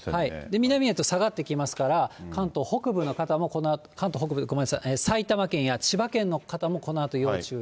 南へと下がってきますから、関東北部の方も、関東北部、ごめんなさい、埼玉県や千葉県の方も、このあと要注意。